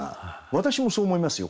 私もそう思いますよ